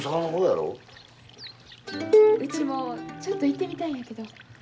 うちもちょっと行ってみたいんやけど。